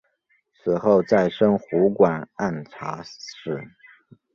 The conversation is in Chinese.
此后再升湖广按察使。